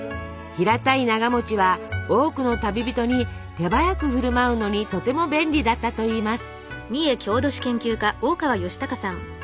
平たいながは多くの旅人に手早く振る舞うのにとても便利だったといいます。